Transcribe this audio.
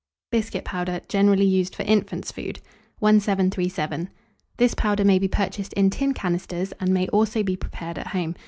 BISCUIT POWDER, generally used for Infants' Food. 1737. This powder may be purchased in tin canisters, and may also be prepared at home.